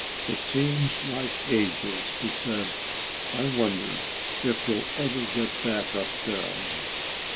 "It seems like ages," he said. "I wonder if we'll ever get back up there."